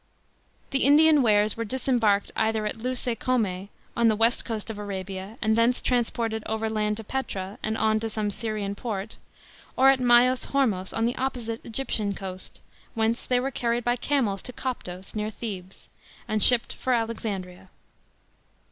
The Indian wares were disembarked either at Leuce Come, on the west coast of Arabia, and thence transported overland to Petra and on to some Syrian port, or at Myos Hormos, on the opposite Egyptian coast, whence they were carried by camels to Coptos (near Thebes) and shipped for Alexandria.